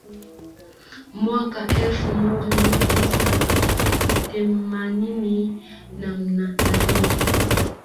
Mwaka elfu moja mia tisa themanini nan ne